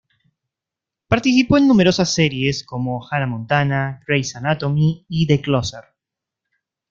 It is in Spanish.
Participó en numerosas series como "Hannah Montana", "Grey's Anatomy" y "The Closer".